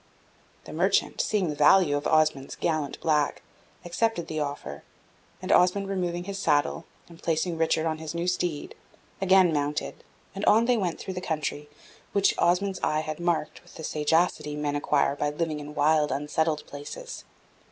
The merchant, seeing the value of Osmond's gallant black, accepted the offer; and Osmond removing his saddle, and placing Richard on his new steed, again mounted, and on they went through the country which Osmond's eye had marked with the sagacity men acquire by living in wild, unsettled places.